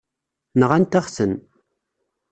Nɣant-aɣ-ten.